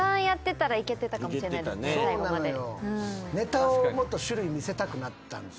ネタをもっと種類見せたくなったんでしょうね。